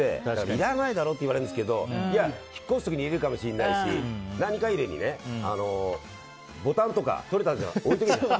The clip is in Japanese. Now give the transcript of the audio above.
いらないだろって言われるんですけどいや、引っ越す時にいるかもしれないし何か入れにねボタンとか取れた時とか。